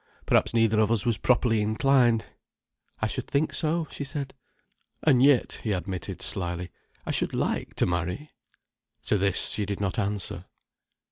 Perhaps neither of us was properly inclined." "I should think so," she said. "And yet," he admitted slyly, "I should like to marry—" To this she did not answer.